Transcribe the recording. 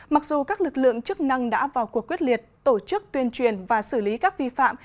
mặc dù các lực lượng chức năng đã vào cuộc quyết liệt tổ chức tuyên truyền và xử lý các vi phạm